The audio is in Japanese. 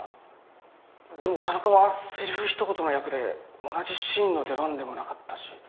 でも田中はセリフひと言の役で同じシーンの出番でもなかったし。